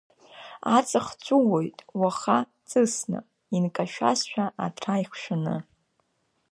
Аҵых ҵәыуоит уаха ҵысны, инкашәазшәа аҭра ихшәаны.